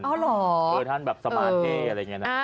อ๋อหรอเพื่อท่านแบบสมาธิอะไรอย่างนี้นะ